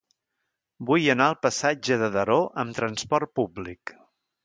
Vull anar al passatge de Daró amb trasport públic.